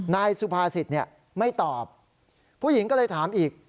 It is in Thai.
นายสุภาษิตไม่ตอบผู้หญิงก็เลยถามอีก